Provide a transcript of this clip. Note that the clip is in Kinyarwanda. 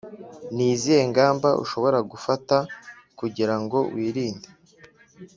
Ni izihe ngamba ushobora gufata kugira ngo wirinde